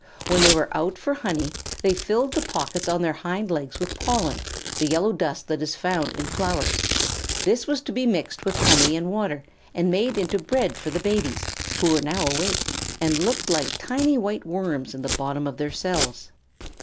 When they were out for honey, they filled the pockets on their hind legs with pollen, the yellow dust that is found in flowers. This was to be mixed with honey and water and made into bread for the babies, who were now awake, and looked like tiny white worms in the bottom of their cells.